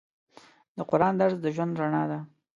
د قرآن درس د ژوند رڼا ده.